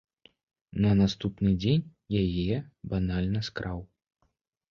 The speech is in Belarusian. На наступны дзень я яе банальна скраў.